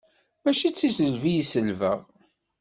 Mačči d tiselbi i selbeɣ.